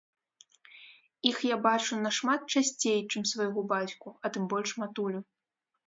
Іх я бачу нашмат часцей, чым свайго бацьку, а тым больш матулю.